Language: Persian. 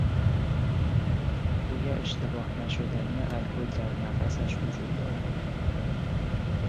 بوی اشتباه نشدنی الکل در نفسش وجود دارد.